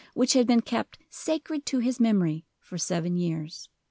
which had been kept "sacred to his memory" for seven years.